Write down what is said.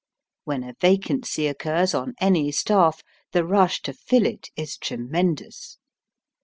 When a vacancy occurs on any staff, the rush to fill it is tremendous.